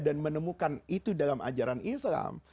dan menemukan itu dalam ajaran islam